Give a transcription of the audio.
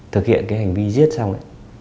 thực hiện cái hành vi giết xong